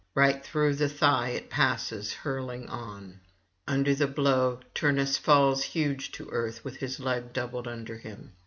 Right through the thigh it passes hurtling on; under the blow Turnus falls huge to earth with his leg doubled under him.